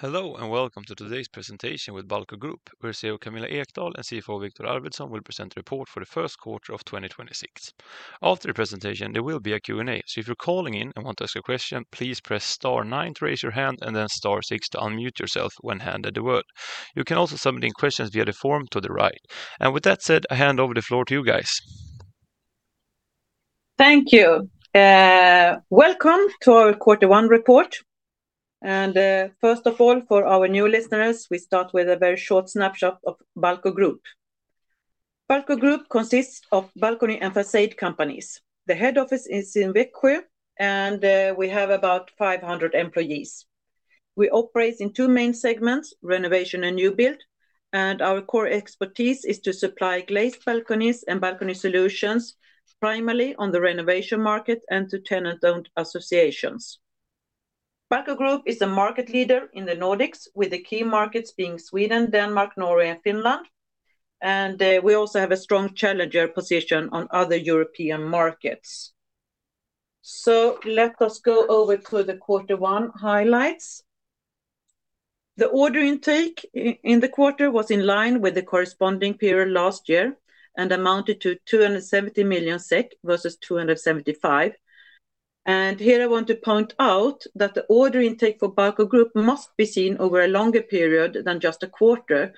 Hello, and welcome to today's presentation with Balco Group, where CEO Camilla Ekdahl and CFO Viktor Arvidsson will present the report for the first quarter of 2026. After the presentation, there will be a Q&A, so if you're calling in and want to ask a question, please press star nine to raise your hand and then star six to unmute yourself when handed the word. You can also submit in questions via the form to the right. With that said, I hand over the floor to you guys. Thank you. Welcome to our quarter one report. First of all, for our new listeners, we start with a very short snapshot of Balco Group. Balco Group consists of balcony and façade companies. The head office is in Växjö, and we have about 500 employees. We operate in two main segments, renovation and new build, and our core expertise is to supply glazed balconies and balcony solutions, primarily on the renovation market and to tenant-owned associations. Balco Group is a market leader in the Nordics, with the key markets being Sweden, Denmark, Norway, and Finland, and we also have a strong challenger position on other European markets. Let us go over to the quarter one highlights. The order intake in the quarter was in line with the corresponding period last year and amounted to 270 million SEK versus 275 million. Here I want to point out that the order intake for Balco Group must be seen over a longer period than just a quarter,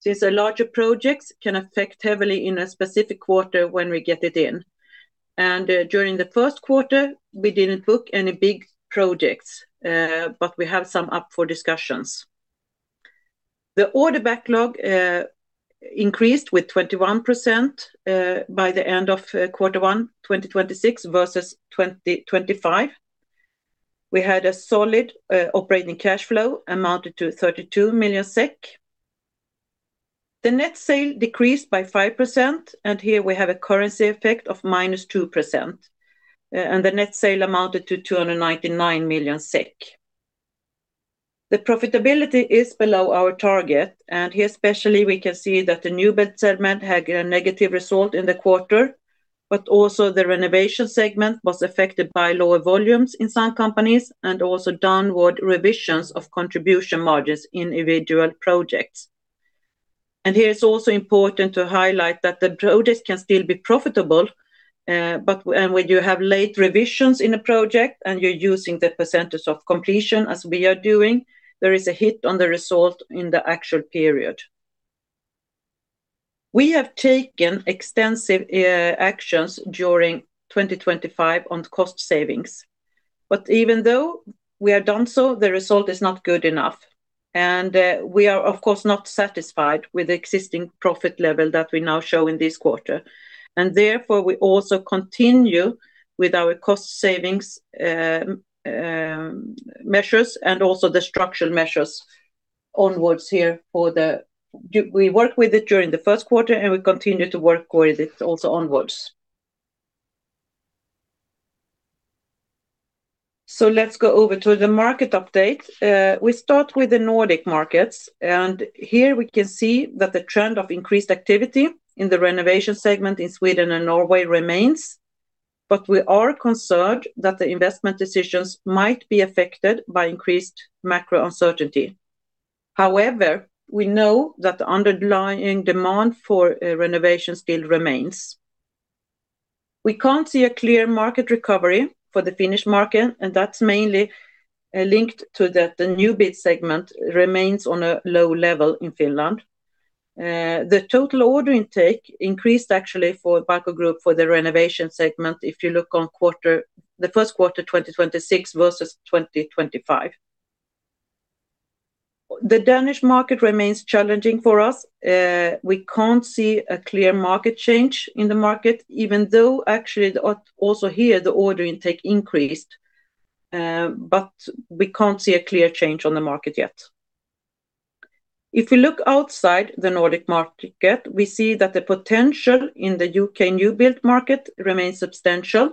since the larger projects can affect heavily in a specific quarter when we get it in. During the first quarter, we didn't book any big projects, but we have some up for discussions. The order backlog increased with 21% by the end of quarter one 2026 versus 2025. We had a solid operating cash flow amounted to 32 million SEK. The net sales decreased by 5%, and here we have a currency effect of -2%. The net sale amounted to 299 million SEK. The profitability is below our target, and here especially we can see that the new build segment had a negative result in the quarter, but also the renovation segment was affected by lower volumes in some companies and also downward revisions of contribution margins in individual projects. Here it's also important to highlight that the projects can still be profitable, but when you have late revisions in a project and you're using the percentage of completion as we are doing, there is a hit on the result in the actual period. We have taken extensive actions during 2025 on cost savings. Even though we are done so, the result is not good enough. We are of course not satisfied with the existing profit level that we now show in this quarter. Therefore, we also continue with our cost savings measures and also the structural measures onwards. We work with it during the first quarter, and we continue to work with it also onwards. Let's go over to the market update. We start with the Nordic markets, and here we can see that the trend of increased activity in the renovation segment in Sweden and Norway remains, but we are concerned that the investment decisions might be affected by increased macro uncertainty. However, we know that the underlying demand for a renovation still remains. We can't see a clear market recovery for the Finnish market, and that's mainly linked to that the new build segment remains on a low level in Finland. The total order intake increased actually for Balco Group for the renovation segment if you look on the first quarter 2026 versus 2025. The Danish market remains challenging for us. We can't see a clear market change in the market, even though actually also here, the order intake increased, but we can't see a clear change on the market yet. If you look outside the Nordic market, we see that the potential in the U.K. new build market remains substantial.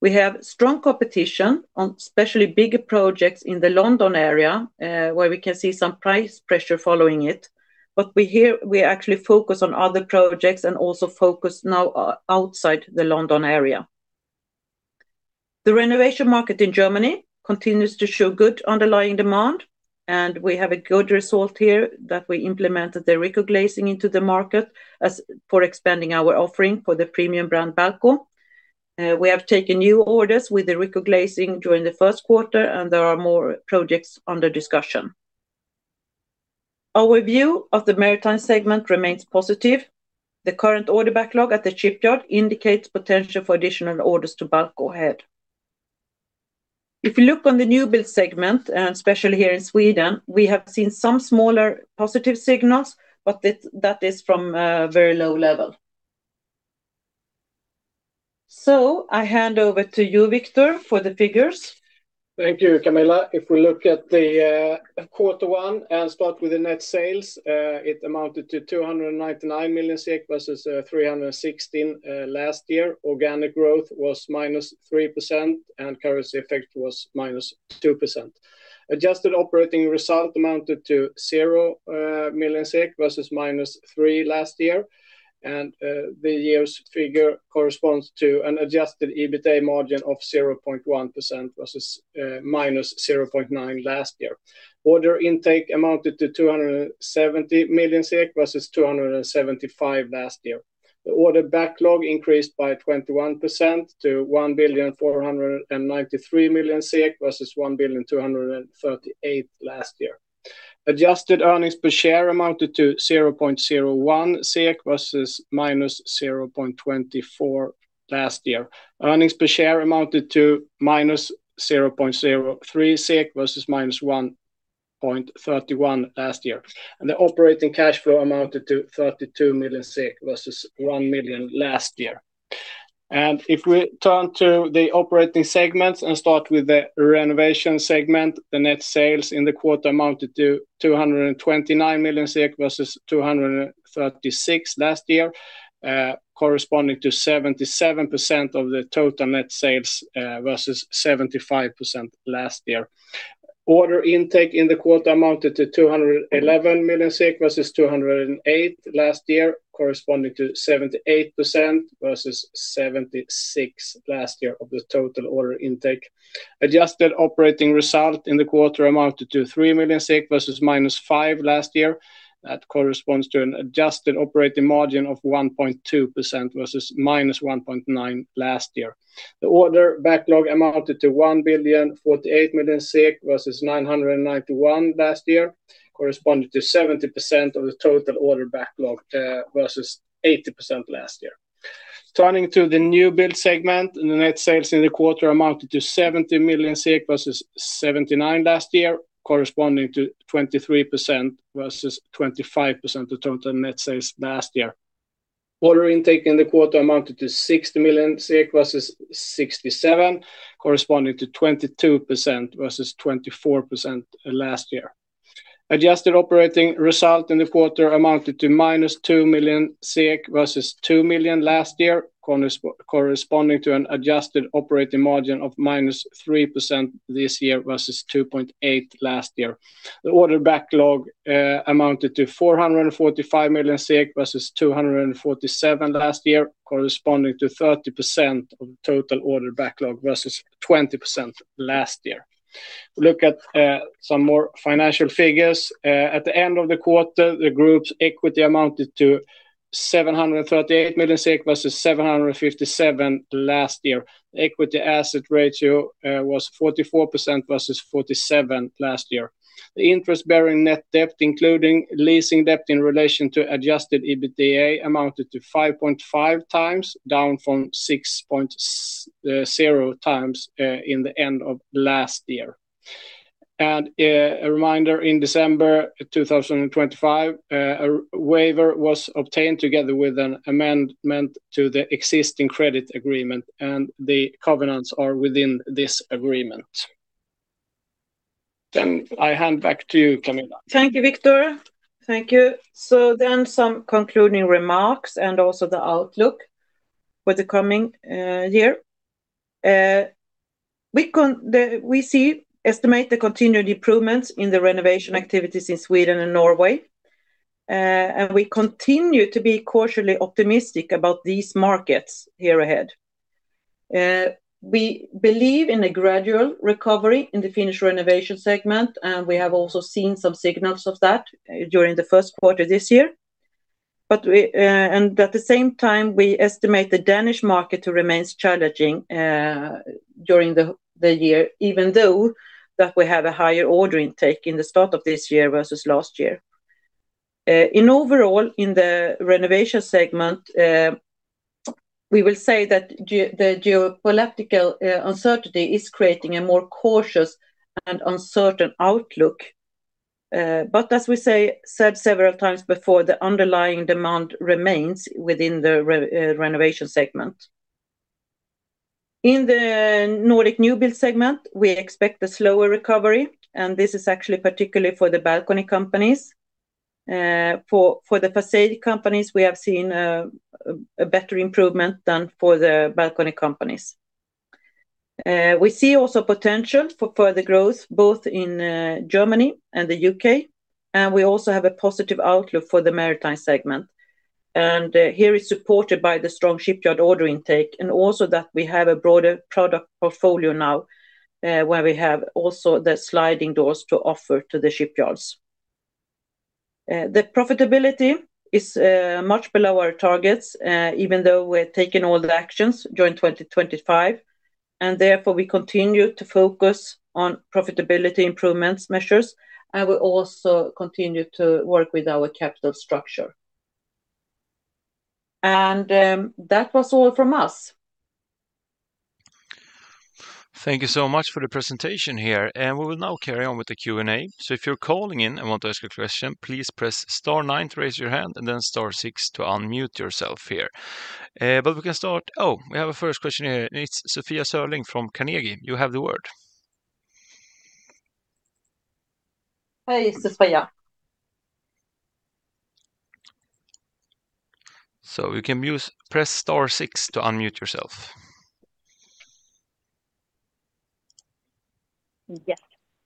We have strong competition on especially bigger projects in the London area, where we can see some price pressure following it. We actually focus on other projects and also focus now outside the London area. The renovation market in Germany continues to show good underlying demand, and we have a good result here that we implemented the Riikku glazing into the market for expanding our offering for the premium brand Balco. We have taken new orders with the Riikku glazing during the first quarter, and there are more projects under discussion. Our view of the maritime segment remains positive. The current order backlog at the shipyard indicates potential for additional orders to Balco ahead. If you look on the new build segment, and especially here in Sweden, we have seen some smaller positive signals, but that is from a very low level. I hand over to you, Viktor, for the figures. Thank you, Camilla. If we look at the quarter one and start with the net sales, it amounted to 299 million SEK versus 316 million last year. Organic growth was -3% and currency effect was -2%. Adjusted operating result amounted to 0 million SEK versus -3 million last year. The year's figure corresponds to an adjusted EBITA margin of 0.1% versus -0.9% last year. Order intake amounted to 270 million SEK versus 275 million last year. The order backlog increased by 21% to 1,493 million SEK versus 1,238 million last year. Adjusted earnings per share amounted to 0.01 SEK versus -0.24 last year. Earnings per share amounted to -0.03 SEK versus -1.31 last year. The operating cash flow amounted to 32 million SEK versus 1 million last year. If we turn to the operating segments and start with the renovation segment, the net sales in the quarter amounted to 229 million SEK versus 236 million last year, corresponding to 77% of the total net sales, versus 75% last year. Order intake in the quarter amounted to 211 million versus 208 million last year, corresponding to 78% versus 76% last year of the total order intake. Adjusted operating result in the quarter amounted to 3 million versus -5 million last year. That corresponds to an adjusted operating margin of 1.2% versus -1.9% last year. The order backlog amounted to 1,048 million SEK versus 991 million last year, corresponding to 70% of the total order backlog versus 80% last year. Turning to the new build segment, the net sales in the quarter amounted to 70 million versus 79 million last year, corresponding to 23% versus 25% of total net sales last year. Order intake in the quarter amounted to 60 million SEK versus 67 million, corresponding to 22% versus 24% last year. Adjusted operating result in the quarter amounted to -2 million SEK versus 2 million last year, corresponding to an adjusted operating margin of -3% this year versus 2.8% last year. The order backlog amounted to 445 million SEK versus 247 million last year, corresponding to 30% of the total order backlog versus 20% last year. If we look at some more financial figures at the end of the quarter, the group's equity amounted to 738 million SEK versus 757 million last year. The equity asset ratio was 44% versus 47% last year. The interest-bearing net debt, including leasing debt in relation to adjusted EBITDA, amounted to 5.5x, down from 6.0x in the end of last year. A reminder, in December 2025, a waiver was obtained together with an amendment to the existing credit agreement, and the covenants are within this agreement. I hand back to you, Camilla. Thank you, Viktor. Thank you. Some concluding remarks and also the outlook for the coming year. We estimate the continued improvements in the renovation activities in Sweden and Norway. We continue to be cautiously optimistic about these markets here ahead. We believe in a gradual recovery in the Finnish renovation segment, and we have also seen some signals of that during the first quarter this year. At the same time, we estimate the Danish market to remains challenging during the year, even though that we have a higher order intake in the start of this year versus last year. In overall, in the renovation segment, we will say that the geopolitical uncertainty is creating a more cautious and uncertain outlook. As we said several times before, the underlying demand remains within the renovation segment. In the Nordic new build segment, we expect a slower recovery, and this is actually particularly for the balcony companies. For the façade companies, we have seen a better improvement than for the balcony companies. We see also potential for further growth both in Germany and the U.K., and we also have a positive outlook for the maritime segment. Here it's supported by the strong shipyard order intake and also that we have a broader product portfolio now, where we have also the sliding doors to offer to the shipyards. The profitability is much below our targets, even though we're taking all the actions during 2025, and therefore, we continue to focus on profitability improvements measures, and we also continue to work with our capital structure. That was all from us. Thank you so much for the presentation here, and we will now carry on with the Q&A. If you're calling in and want to ask a question, please press star nine to raise your hand and then star six to unmute yourself here. But we can start. Oh, we have a first question here, and it's Sophia Sörling from Carnegie. You have the word. Hi, Sophia. So you can mute... Press star six to unmute yourself. Yes.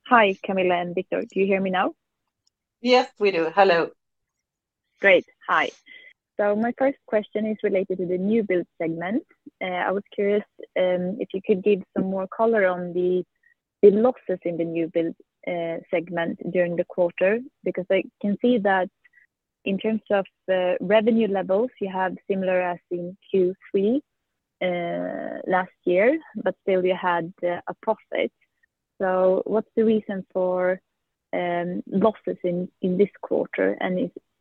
Hi, Camilla and Viktor. Do you hear me now? Yes, we do. Hello. Great. Hi. My first question is related to the new build segment. I was curious if you could give some more color on the losses in the new build segment during the quarter, because I can see that, in terms of the revenue levels, you have similar as in Q3 last year, but still you had a profit. What's the reason for losses in this quarter?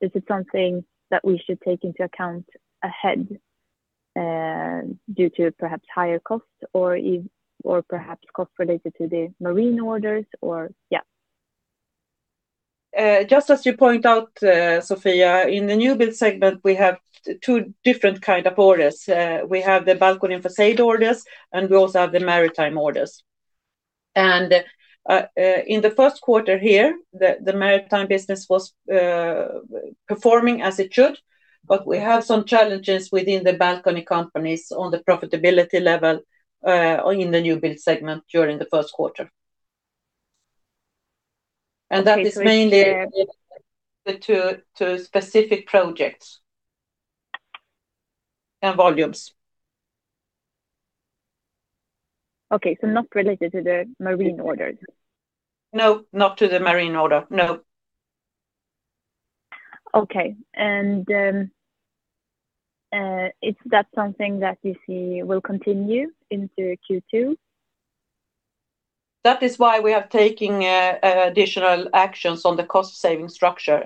Is it something that we should take into account ahead due to perhaps higher costs or perhaps costs related to the marine orders? Just as you point out, Sophia, in the new build segment, we have two different kind of orders. We have the balcony and facade orders, and we also have the maritime orders. In the first quarter here, the maritime business was performing as it should, but we have some challenges within the balcony companies on the profitability level, or in the new build segment during the first quarter. That is mainly the two specific projects and volumes. Okay. Not related to the marine orders? No, not to the marine order. No. Okay. Is that something that you see will continue into Q2? That is why we are taking additional actions on the cost saving structure.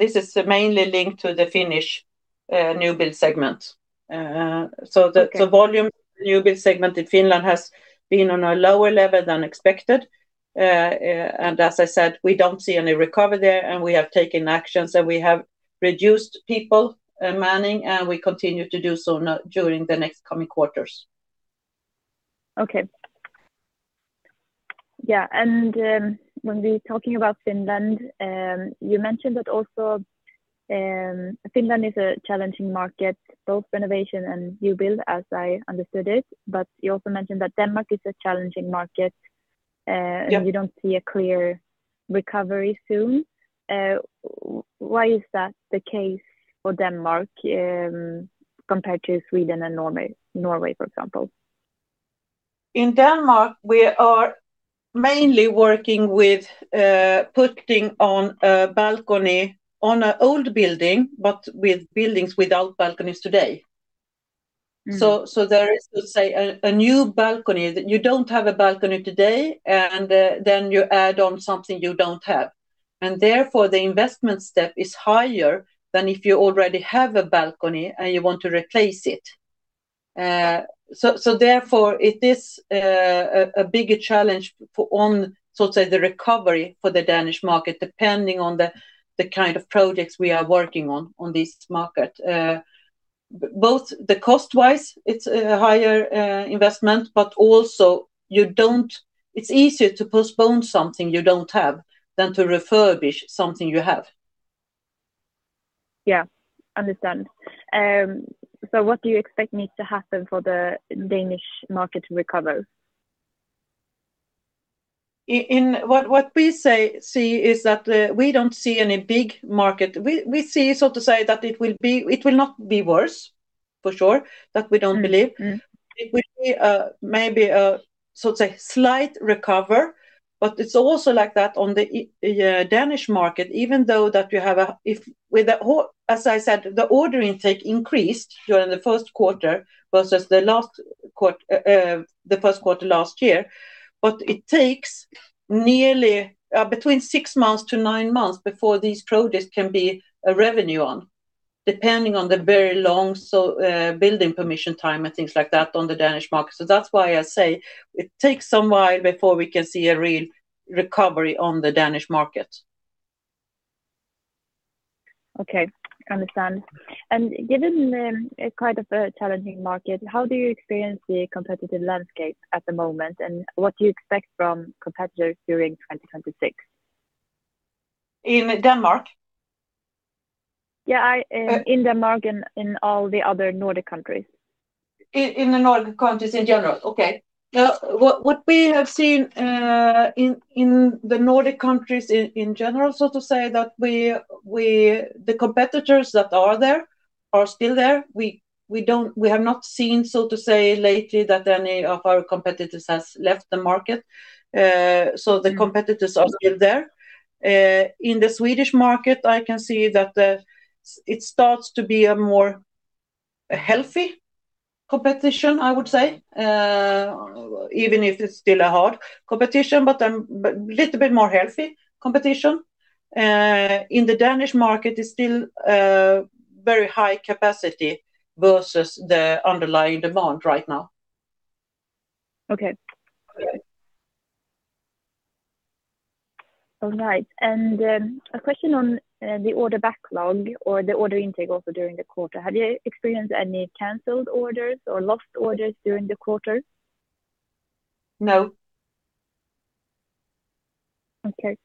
This is mainly linked to the Finnish new build segment. Okay The volume new build segment in Finland has been on a lower level than expected. As I said, we don't see any recovery there, and we have taken actions, and we have reduced people, manning, and we continue to do so now during the next coming quarters. Okay. Yeah, when we're talking about Finland, you mentioned that also Finland is a challenging market, both renovation and new build, as I understood it, but you also mentioned that Denmark is a challenging market. Yeah You don't see a clear recovery soon. Why is that the case for Denmark, compared to Sweden and Norway, for example? In Denmark, we are mainly working with putting on a balcony on an old building, but with buildings without balconies today. Mm-hmm. There is, let's say, a new balcony that you don't have a balcony today, and then you add on something you don't have. Therefore, the investment step is higher than if you already have a balcony and you want to replace it. Therefore, it is a bigger challenge for one, so to say, the recovery for the Danish market, depending on the kind of projects we are working on this market. Both cost-wise, it's a higher investment, but also you don't. It's easier to postpone something you don't have than to refurbish something you have. Yeah. I understand. What do you expect needs to happen for the Danish market to recover? What we see is that we don't see any big market. We see, so to say, that it will not be worse, for sure, that we don't believe. Mm-hmm. It will be, maybe, so to say, slight recovery, but it's also like that on the Danish market, even though, as I said, the order intake increased during the first quarter versus the first quarter last year. It takes nearly between six months to nine months before these projects can be revenue, depending on the very long building permission time and things like that on the Danish market. That's why I say it takes some while before we can see a real recovery on the Danish market. Okay. Understood. Given a kind of a challenging market, how do you experience the competitive landscape at the moment, and what do you expect from competitors during 2026? In Denmark? In Denmark and in all the other Nordic countries. In the Nordic countries in general. Okay. What we have seen in the Nordic countries in general, so to say, that the competitors that are there are still there. We have not seen, so to say, lately that any of our competitors has left the market. So the competitors are still there. In the Swedish market, I can see that it starts to be a more healthy competition, I would say. Even if it's still a hard competition, but little bit more healthy competition. In the Danish market, it's still very high capacity versus the underlying demand right now. Okay. All right. A question on the order backlog or the order intake also during the quarter. Have you experienced any canceled orders or lost orders during the quarter? No. Okay.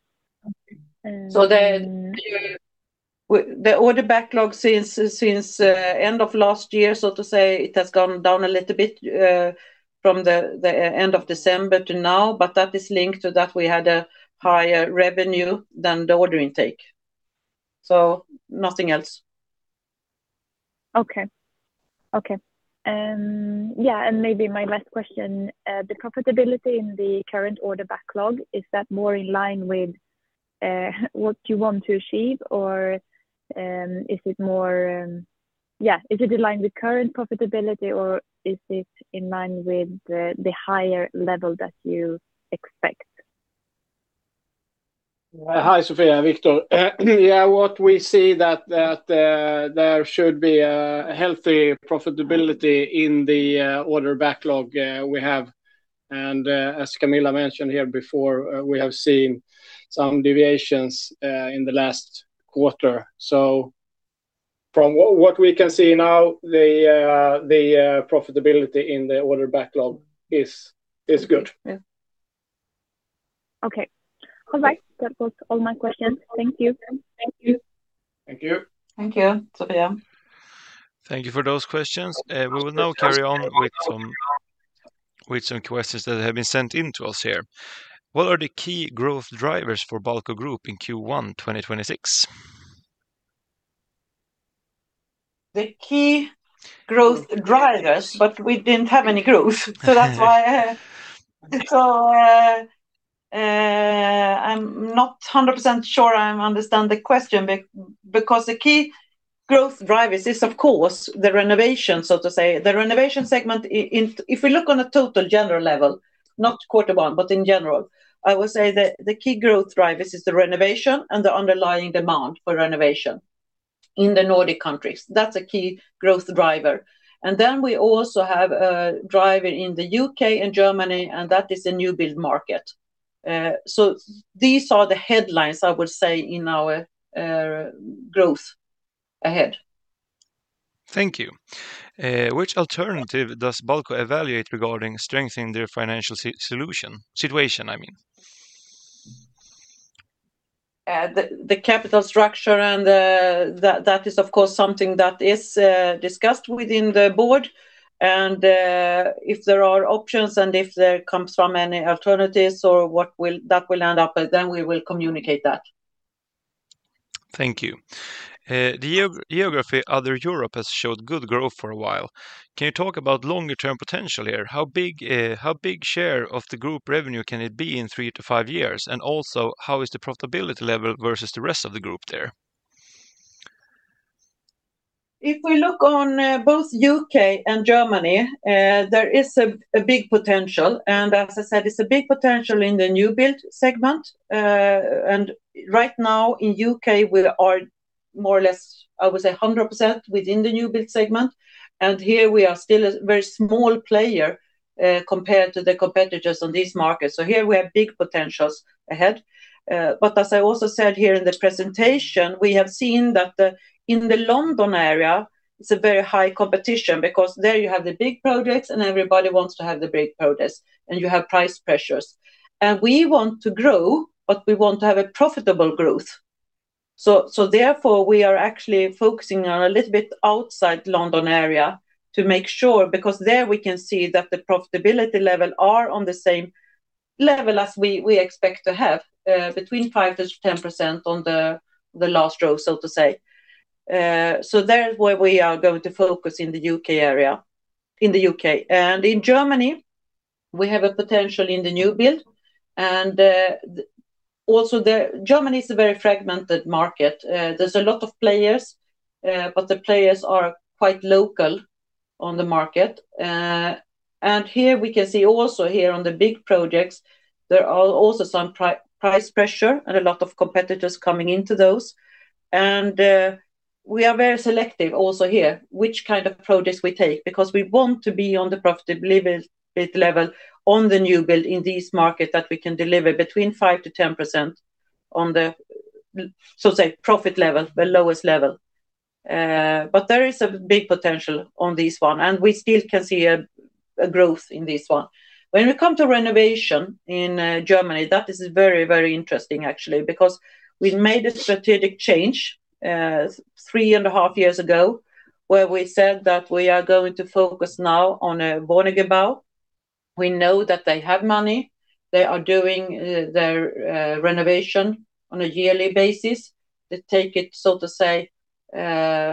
The order backlog since end of last year, so to say, it has gone down a little bit from the end of December to now, but that is linked to that we had a higher revenue than the order intake. Nothing else. Okay. Yeah, maybe my last question, the profitability in the current order backlog, is that more in line with what you want to achieve? Is it more in line with current profitability or is it in line with the higher level that you expect? Hi, Sophia, Viktor. Yeah, what we see that there should be a healthy profitability in the order backlog we have. As Camilla mentioned here before, we have seen some deviations in the last quarter. From what we can see now, the profitability in the order backlog is good. Okay. All right. That was all my questions. Thank you. Thank you. Thank you. Thank you, Sophia. Thank you for those questions. We will now carry on with some questions that have been sent in to us here. What are the key growth drivers for Balco Group in Q1 2026? The key growth drivers, but we didn't have any growth. That's why, I'm not 100% sure I understand the question because the key growth drivers is of course, the renovation, so to say. The renovation segment in if we look on a total general level, not quarter one, but in general, I would say the key growth drivers is the renovation and the underlying demand for renovation in the Nordic countries. That's a key growth driver. Then we also have a driver in the U.K. and Germany, and that is a new build market. These are the headlines I would say in our growth ahead. Thank you. Which alternative does Balco evaluate regarding strengthening their financial situation, I mean? The capital structure and that is of course something that is discussed within the board. If there are options and if there comes from any alternatives or that will end up, then we will communicate that. Thank you. The geography Other Europe has showed good growth for a while. Can you talk about longer term potential here? How big share of the group revenue can it be in three to five years? Also, how is the profitability level versus the rest of the group there? If we look on both U.K. and Germany, there is a big potential, and as I said, it's a big potential in the new build segment. Right now in U.K., we are more or less, I would say, 100% within the new build segment. Here we are still a very small player, compared to the competitors on these markets. Here we have big potentials ahead. As I also said here in the presentation, we have seen that in the London area, it's a very high competition because there you have the big projects and everybody wants to have the big projects, and you have price pressures. We want to grow, but we want to have a profitable growth. Therefore, we are actually focusing on a little bit outside London area to make sure, because there we can see that the profitability level are on the same level as we expect to have, between 5%-10% on the last row, so to say. That's where we are going to focus in the U.K. area, in the U.K. In Germany, we have a potential in the new build. Germany is a very fragmented market. There is a lot of players, but the players are quite local on the market. Here we can see also here on the big projects, there are also some price pressure and a lot of competitors coming into those. We are very selective also here, which kind of projects we take because we want to be on the profitability EBIT level on the new build in this market that we can deliver between 5%-10% on the, so to say, profit level, the lowest level. There is a big potential on this one, and we still can see a growth in this one. When we come to renovation in Germany, that is very, very interesting actually, because we made a strategic change three and a half years ago, where we said that we are going to focus now on a Wohnungsbau. We know that they have money. They are doing their renovation on a yearly basis. They take it, so to say,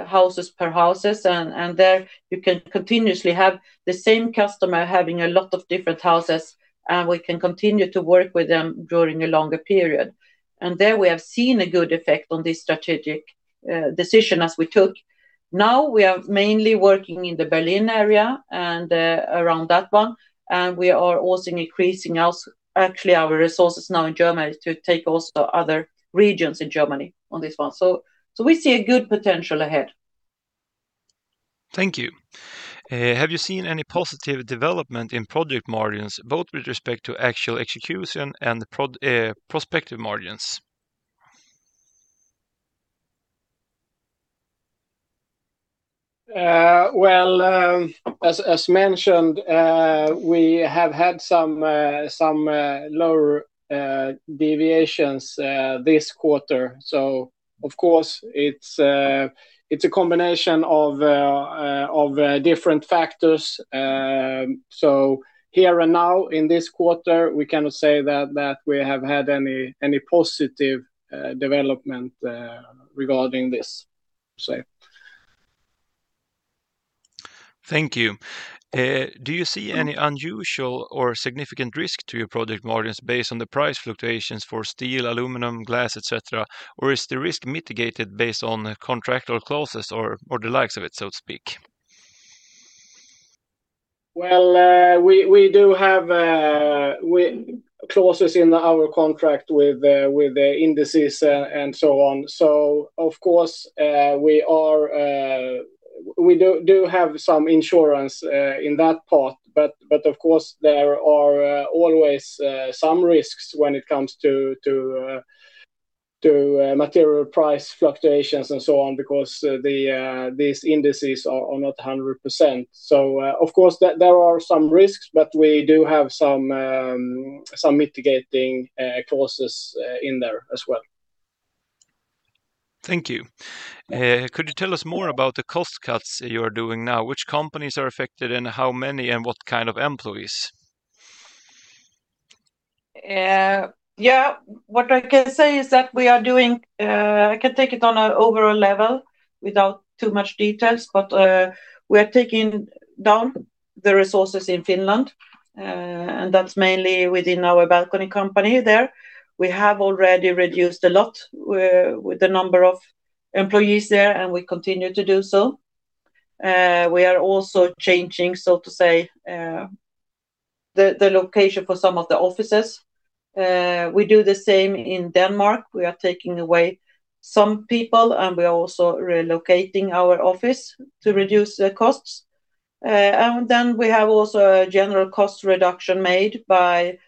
house by house, and there you can continuously have the same customer having a lot of different houses, and we can continue to work with them during a longer period. There we have seen a good effect on this strategic decision as we took. Now we are mainly working in the Berlin area and around that one. We are also increasing our, actually our resources now in Germany to take also other regions in Germany on this one. We see a good potential ahead. Thank you. Have you seen any positive development in project margins, both with respect to actual execution and prospective margins? Well, as mentioned, we have had some lower deviations this quarter. Of course, it's a combination of different factors. Here and now in this quarter, we cannot say that we have had any positive development regarding this, so say. Thank you. Do you see any unusual or significant risk to your project margins based on the price fluctuations for steel, aluminum, glass, et cetera, or is the risk mitigated based on contractual clauses or the likes of it, so to speak? Well, we do have clauses in our contract with indices and so on. Of course, we do have some insurance in that part, but of course, there are always some risks when it comes to material price fluctuations and so on because these indices are not 100%. Of course, there are some risks, but we do have some mitigating clauses in there as well. Thank you. Could you tell us more about the cost cuts you're doing now? Which companies are affected and how many and what kind of employees? Yeah. What I can say is that we are doing. I can take it on an overall level without too much details, but we are taking down the resources in Finland, and that's mainly within our balcony company there. We have already reduced a lot with the number of employees there, and we continue to do so. We are also changing, so to say, the location for some of the offices. We do the same in Denmark. We are taking away some people, and we are also relocating our office to reduce the costs. Then we have also a general cost reduction made by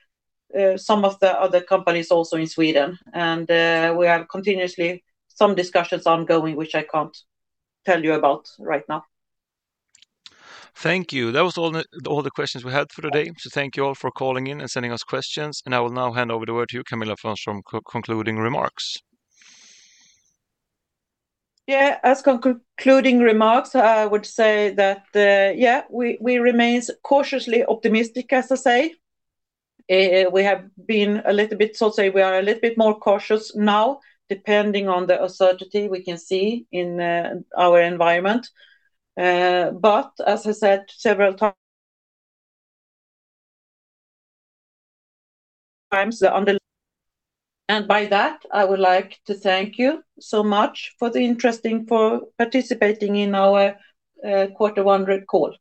some of the other companies also in Sweden. We have continuously some discussions ongoing, which I can't tell you about right now. Thank you. That was all the questions we had for today. Thank you all for calling in and sending us questions, and I will now hand over the word to you, Camilla Ekdahl, for concluding remarks. As concluding remarks, I would say that we remain cautiously optimistic, as I say. We have been a little bit, so to say, we are a little bit more cautious now, depending on the uncertainty we can see in our environment. But as I said several times, by that, I would like to thank you so much for participating in our quarter one results call.